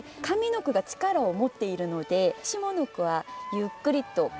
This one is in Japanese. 上の句が力を持っているので下の句はゆっくりと。